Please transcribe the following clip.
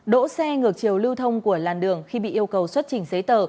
đỗ xe ngược chiều lưu thông của làn đường khi bị yêu cầu xuất trình giấy tờ